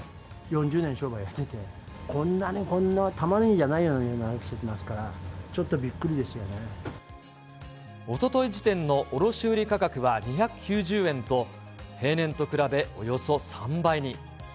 ４０年商売やってて、こんなに、こんなたまねぎじゃないような値段ついてますから、ちょっとびっおととい時点の卸売り価格は２９０円と、平年と比べ、およそ３倍に。